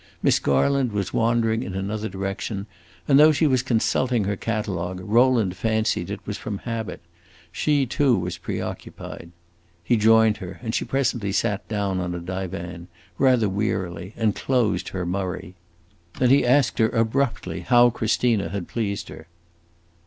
Miss Garland was wandering in another direction, and though she was consulting her catalogue, Rowland fancied it was from habit; she too was preoccupied. He joined her, and she presently sat down on a divan, rather wearily, and closed her Murray. Then he asked her abruptly how Christina had pleased her.